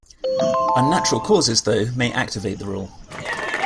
Unnatural causes, though, may activate the rule.